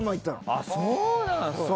あっそうなんすか！